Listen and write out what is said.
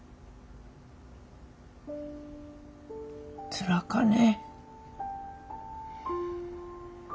つらかね。